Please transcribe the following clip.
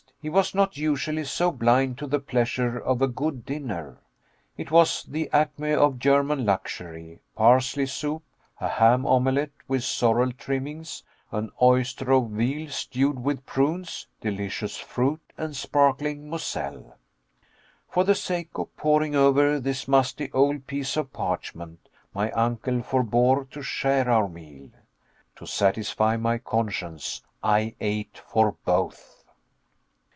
He was not usually so blind to the pleasure of a good dinner. It was the acme of German luxury parsley soup, a ham omelette with sorrel trimmings, an oyster of veal stewed with prunes, delicious fruit, and sparkling Moselle. For the sake of poring over this musty old piece of parchment, my uncle forbore to share our meal. To satisfy my conscience, I ate for both.